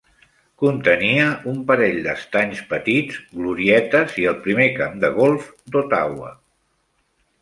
Contenia un parell de estanys petits, glorietes i el primer camp de golf d'Ottawa.